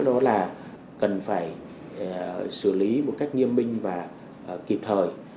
đó là cần phải xử lý một cách nghiêm minh và kịp thời